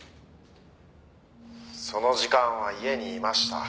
「その時間は家にいました」